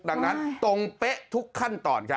ดังนั้นตรงเป๊ะทุกขั้นตอนครับ